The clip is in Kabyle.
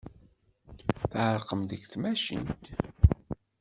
Tɛerqem deg tmacint.